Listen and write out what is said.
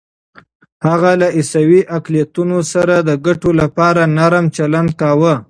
هغه له عیسوي اقلیتونو سره د ګټو لپاره نرم چلند کاوه.